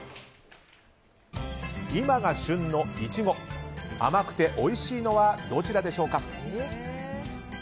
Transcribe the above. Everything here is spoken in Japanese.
今が旬のイチゴ甘くておいしいのはどちらでしょうか？